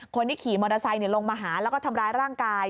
คนที่ขี่มอเตอร์ไซค์ลงมาหาแล้วก็ทำร้ายร่างกาย